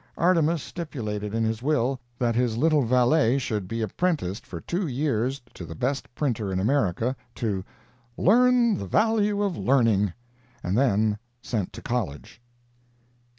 Artemus stipulated in his will that his little valet should be apprenticed for two years to the best printer in America, to "learn the value of learning," and then sent to college.